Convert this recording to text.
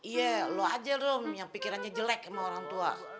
iya lu aja rum yang pikirannya jelek sama orang tua